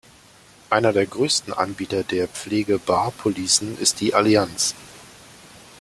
Einer der größten Anbieter der Pflege-Bahr-Policen ist die Allianz.